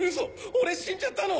俺死んじゃったの？